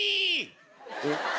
えっ？